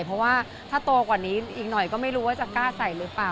เพราะว่าถ้าโตกว่านี้ก็ไม่รู้ว่าจะสามารถใส่หรือเปล่า